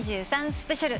スペシャル。